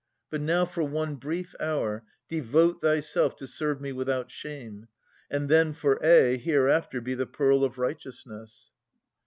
But now, for one brief hour, devote thyself To serve me without shame, and then for aye Hereafter be the pearl of righteousness.